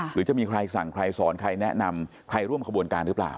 หรือจะมีใครสั่งใครสอนใครแนะนำใครร่วมขบวนการหรือเปล่า